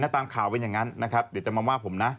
ตามข่าวว่าผมนะ